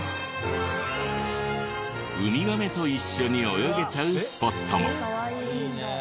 ウミガメと一緒に泳げちゃうスポットも。